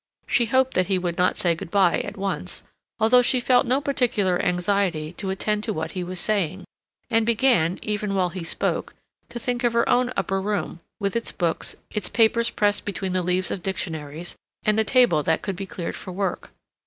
She hoped that he would not say good bye at once, although she felt no particular anxiety to attend to what he was saying, and began, even while he spoke, to think of her own upper room, with its books, its papers pressed between the leaves of dictionaries, and the table that could be cleared for work.